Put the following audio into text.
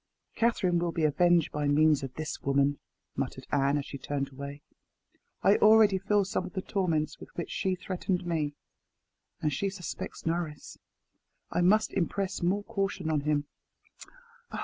"Catherine will be avenged by means of this woman," muttered Anne as she turned away. "I already feel some of the torments with which she threatened me. And she suspects Norris. I must impress more caution on him.